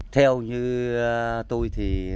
theo như tôi